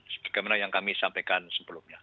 sebagaimana yang kami sampaikan sebelumnya